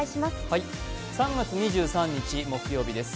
３月２３日木曜日です。